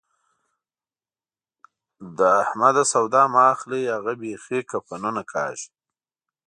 له احمده سودا مه اخلئ؛ هغه بېخي کفنونه کاږي.